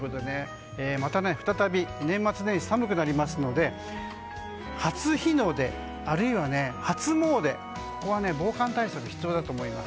また再び年末年始寒くなりますので初日の出、あるいは初詣ここは防寒対策必要だと思います。